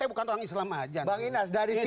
tapi bukan orang islam saja